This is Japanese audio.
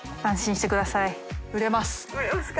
売れますか？